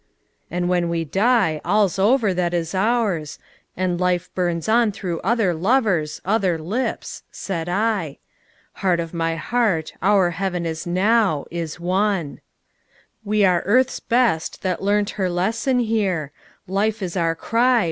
..." "And when we die All's over that is ours; and life burns on Through other lovers, other lips," said I, "Heart of my heart, our heaven is now, is won!" "We are Earth's best, that learnt her lesson here. Life is our cry.